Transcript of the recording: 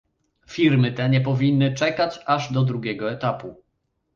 Firmy te nie powinny czekać aż do drugiego etapu